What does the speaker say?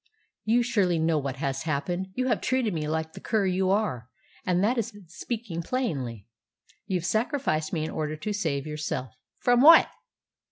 "You surely know what has happened. You have treated me like the cur you are and that is speaking plainly. You've sacrificed me in order to save yourself." "From what?"